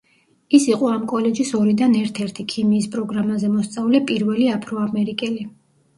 ის იყო ამ კოლეჯის ორიდან ერთ-ერთი ქიმიის პროგრამაზე მოსწავლე პირველი აფრო-ამერიკელი.